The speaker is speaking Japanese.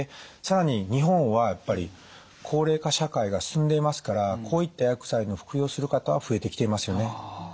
更に日本はやっぱり高齢化社会が進んでいますからこういった薬剤の服用する方は増えてきていますよね。